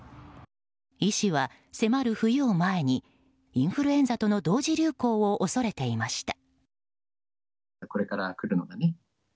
医師は迫る冬を前にインフルエンザとの同時流行を恐れていました。